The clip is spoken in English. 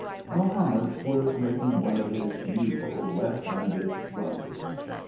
Mohamed was making one of his usual left handed blunders.